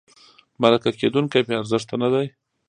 مرکه کېدونکی بې ارزښته نه دی.